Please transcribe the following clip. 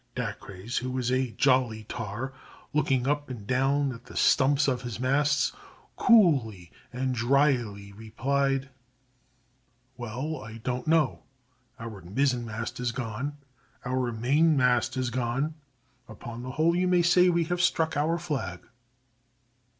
Dacres, who was a 'jolly tar,' looking up and down at the stumps of his masts, coolly and dryly replied: 'Well, I don't know. Our mizzenmast is gone, our mainmast is gone,—upon the whole you may say we have struck our flag.